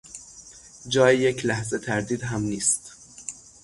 جای یک لحظه تردید هم نیست